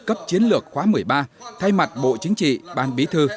cấp chiến lược khóa một mươi ba thay mặt bộ chính trị ban bí thư